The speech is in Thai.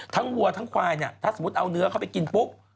ทั้งหัวทั้งขวายถ้าสมมุติเอาเนื้อเขาไปกินปุ๊บ